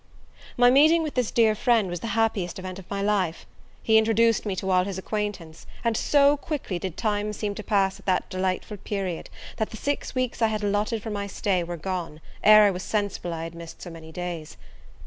My meeting with this dear friend was the happiest event of my life: he introduced me to all his acquaintance; and so quickly did time seem to pass at that delightful period, that the six weeks I had allotted for my stay were gone, ere I was sensible I had missed so many days.